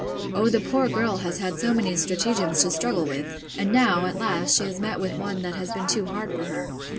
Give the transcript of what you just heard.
O the poor girl has had so many stratagems to struggle with! and now, at last, she has met with one that has been too hard for her.